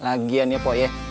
lagian ya pok ya